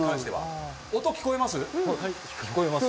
音聞こえます？